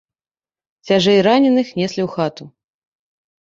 Цяжэй раненых неслі ў хату.